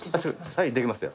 はいできますよ。